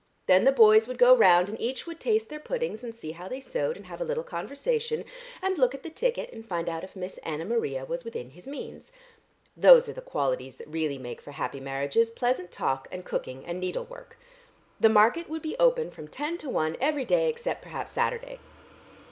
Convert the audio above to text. Then the boys would go round and each would taste their puddings and see how they sewed and have a little conversation, and look at the ticket and find out if Miss Anna Maria was within his means. Those are the qualities that really make for happy marriages, pleasant talk and cooking and needlework. The market would be open from ten to one every day except perhaps Saturday.